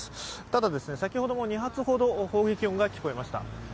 ただ、先ほども２発ほど砲撃音が聞かれました。